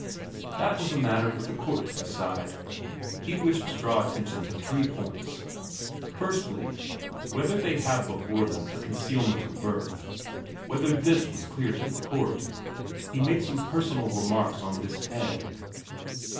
That was a matter for the court to decide. He wished to draw attention to three points: firstly, whether they had before them a concealment of birth; whether this was clear to the court. He made some personal remarks on this head.